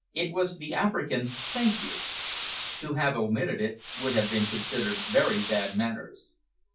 It was the African "thank you." To have omitted it would have been considered very bad manners.